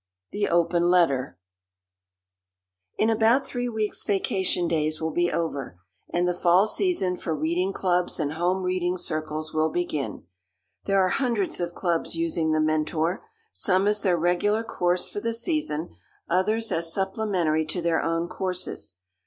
THE OPEN LETTER In about three weeks vacation days will be over and the fall season for reading clubs and home reading circles will begin. There are hundreds of clubs using The Mentor some as their regular course for the season, others as supplementary to their own courses.